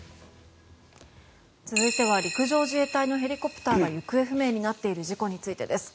続いては陸上自衛隊のヘリコプターが行方不明になっている事故についてです。